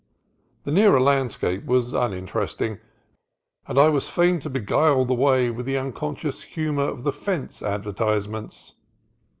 The nearer landscape was uninteresting, and I was fain to beguile the way with the unconscious humor of the fence advertise ments.